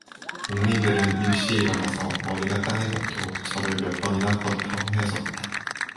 농민들은 일시에 일어나서 머리가 땅에 닿도록 절을 몇 번이나 거듭하고 헤어졌다.